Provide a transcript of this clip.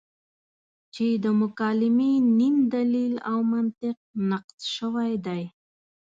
چې د مکالمې نیم دلیل او منطق نقص شوی دی.